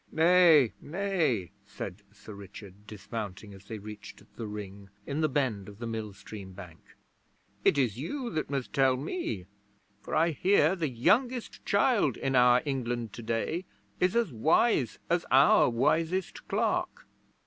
'Nay nay,' said Sir Richard, dismounting as they reached the Ring, in the bend of the mill stream bank. 'It is you that must tell me, for I hear the youngest child in our England today is as wise as our wisest clerk.'